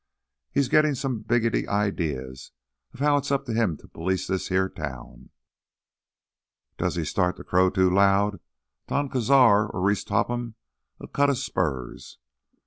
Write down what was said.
He's gittin' some biggety idear as how it's up t' him t' police this here town. Does he start t' crow too loud, Don Cazar or Reese Topham'll cut his spurs.